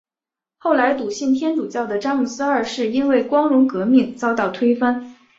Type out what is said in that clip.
后来笃信天主教的詹姆斯二世因为光荣革命遭到推翻。